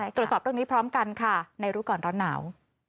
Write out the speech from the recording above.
ตรวจสอบเรื่องนี้พร้อมกันค่ะในรู้ก่อนร้อนหนาว